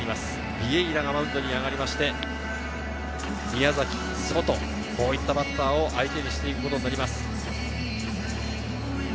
ビエイラがマウンドに上がって、宮崎、ソト、こういったバッターを相手にしていきます。